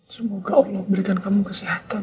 semoga allah berikan kamu kesehatan